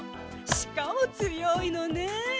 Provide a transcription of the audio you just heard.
しかも強いのね。